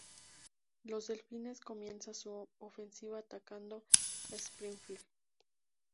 Los delfines comienzan su ofensiva atacando Springfield.